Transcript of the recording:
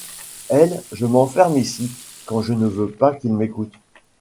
Elle Je m'enferme ici quand je ne veux pas qu'ils m'écoutent.